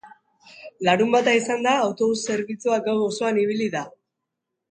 Larunbata izanda, autobus zerbitzua gau osoan ibili da.